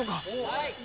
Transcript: はい！